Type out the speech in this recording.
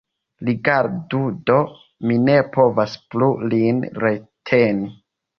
Rigardu do, mi ne povas plu lin reteni.